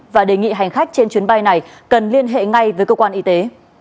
và đề nghị hành khách trên chuyến bay này cần liên hệ ngay với cơ quan y tế